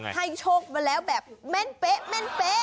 ให้โชคมาแล้วแบบเม้นเป๊ะ